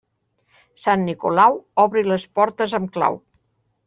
Sant Nicolau, obri les portes amb clau.